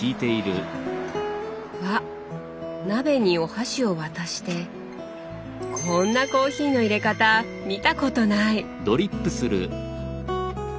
わ鍋にお箸を渡してこんなコーヒーのいれ方見たことない！